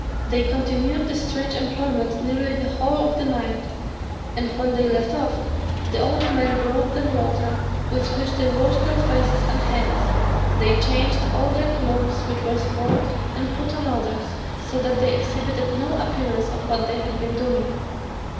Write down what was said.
They continued this strange employment nearly the whole of the night, and when they left off, the old man brought them water, with which they washed their faces and hands; they changed all their clothes, which were spoiled, and put on others; so that they exhibited no appearance of what they had been doing.